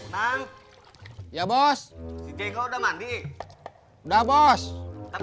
nang ya bos sudah mandi udah bos siap